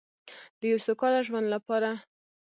د یو سوکاله ژوند لپاره.